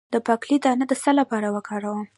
د باقلي دانه د څه لپاره وکاروم؟